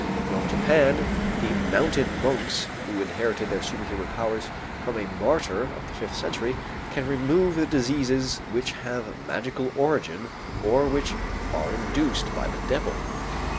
In old Japan the mountain monks, who inherited their superhuman powers from a martyr of the fifth century, can remove the diseases which have magical origin or which are induced by the devil.